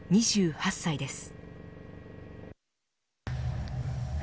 ２８歳です。